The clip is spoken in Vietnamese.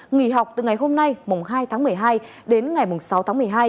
nghỉ học từ ngày hôm nay mùng hai tháng một mươi hai đến ngày sáu tháng một mươi hai